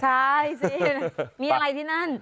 ใช่สิมีอะไรที่นั่น